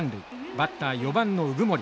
バッター４番の鵜久森。